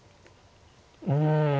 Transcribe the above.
うん。